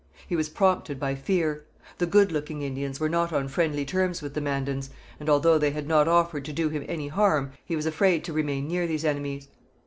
He was prompted by fear. The Good looking Indians were not on friendly terms with the Mandans, and, although they had not offered to do him any harm, he was afraid to remain near these enemies.